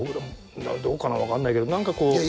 どうかなわかんないけどなんかこう。